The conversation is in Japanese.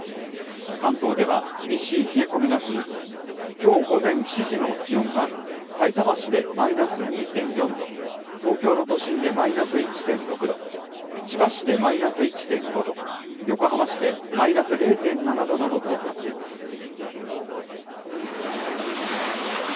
関東では厳しい冷え込みが続き、きょう午前７時の気温は、さいたま市でマイナス２．４度、東京の都心でマイナス１．６度、千葉市でマイナス１．５度、横浜市でマイナス０．７度などとなっています。